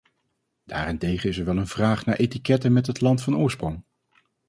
Daarentegen is er wel een vraag naar etiketten met het land van oorsprong.